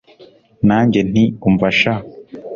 nanjye nti umva sha